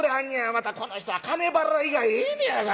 またこの人は金払いがええねやがな。